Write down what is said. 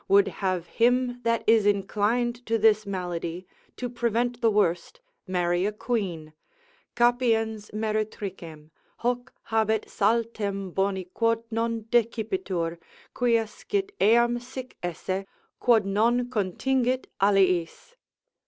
would have him that is inclined to this malady, to prevent the worst, marry a quean, Capiens meretricem, hoc habet saltem boni quod non decipitur, quia scit eam sic esse, quod non contingit aliis.